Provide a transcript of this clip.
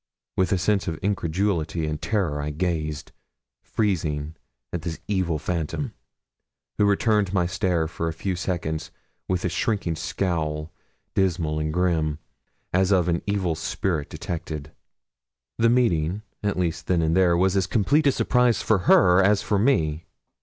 With a sense of incredulity and terror I gazed, freezing, at this evil phantom, who returned my stare for a few seconds with a shrinking scowl, dismal and grim, as of an evil spirit detected. The meeting, at least then and there, was as complete a surprise for her as for me.